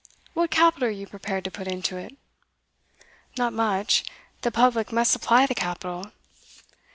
What capital are you prepared to put into it?' 'Not much. The public must supply the capital.